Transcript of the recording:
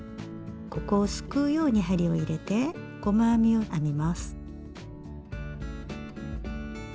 ここをすくうように針を入れて細編みを編みます。